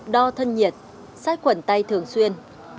đo thân nhiệt sát khuẩn tay thường xuyên